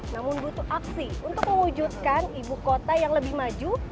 namun butuh aksi untuk mewujudkan ibu kota yang lebih maju